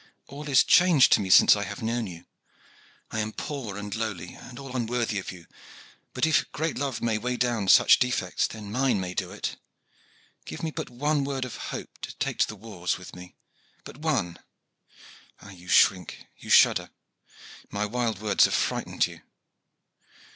All is changed to me since I have known you. I am poor and lowly and all unworthy of you; but if great love may weigh down such defects, then mine may do it. Give me but one word of hope to take to the wars with me but one. Ah, you shrink, you shudder! My wild words have frightened you."